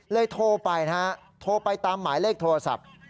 โทรไปนะฮะโทรไปตามหมายเลขโทรศัพท์